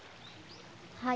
はい。